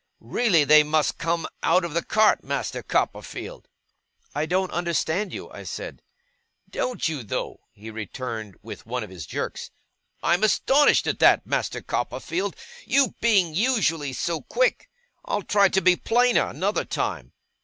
Really they must come out of the cart, Master Copperfield!' 'I don't understand you,' said I. 'Don't you, though?' he returned, with one of his jerks. 'I'm astonished at that, Master Copperfield, you being usually so quick! I'll try to be plainer, another time.